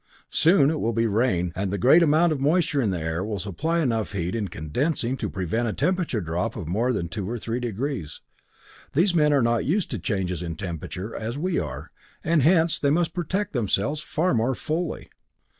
Soon it will be rain, and the great amount of moisture in the air will supply enough heat, in condensing, to prevent a temperature drop of more than two or three degrees. These men are not used to changes in temperature as we are and hence they must protect themselves far more fully."